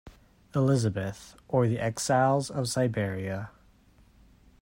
"Elizabeth, or the Exiles of Siberia".